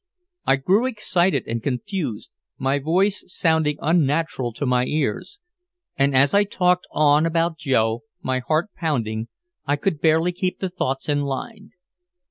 I grew excited and confused, my voice sounding unnatural to my ears. And as I talked on about Joe, my heart pounding, I could barely keep the thoughts in line.